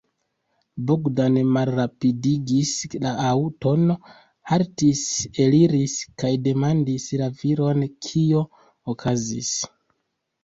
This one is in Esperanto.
Bogdan malrapidigis la aŭton, haltis, eliris kaj demandis la viron, kio okazis.